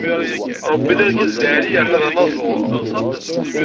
Ṛebbi d argaz lɛali yerna d anaẓur.